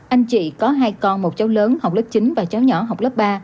anh chị có hai con một cháu lớn học lớp chín và cháu nhỏ học lớp ba